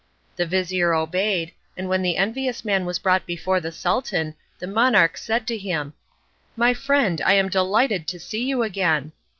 The vizir obeyed, and when the envious man was brought before the Sultan, the monarch said to him, "My friend, I am delighted to see you again."